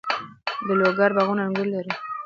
د لوګر باغونه انګور لري.